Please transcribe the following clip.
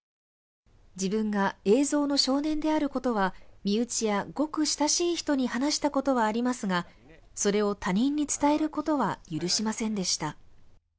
自分が映像の少年であることは身内やごく親しい人に話したことはありますが、それを他人に伝えることは許しませんでした。